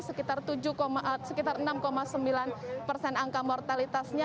sekitar enam sembilan persen angka mortalitasnya